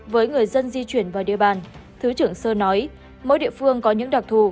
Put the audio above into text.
với người dân di chuyển vào địa bàn thứ trưởng sơ nói mỗi địa phương có những đặc thù